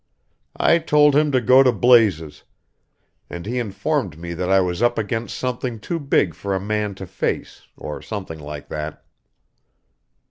I told him to go to blazes, and he informed me that I was up against something too big for a man to face, or something like that."